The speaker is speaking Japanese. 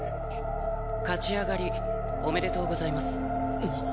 勝ち上がりおめでとうございます。